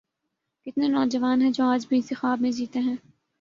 کتنے نوجوان ہیں جو آج بھی اسی خواب میں جیتے ہیں۔